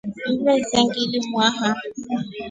Mvese nglimwaha.